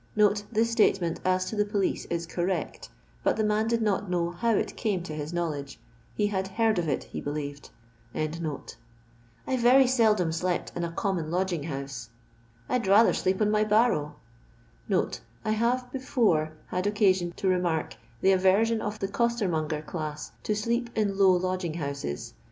[This statement as to the police is correct ; but tho man did not know how it came to his knowledge ; he had " heard of it," he believed.] " 1 've very seldom slept in a common lodging house. I'd 106 LONDOir LABOUR AND THE LONDON POOR. nther sleep on my barrow." [I have before had occaiion to remark the arertion of the coster monger class to sleep in low lodging houses.